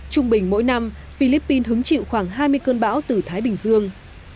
trung bình mỗi năm philippines hứng chịu khoảng hai mươi cơn bão từ thái bình dương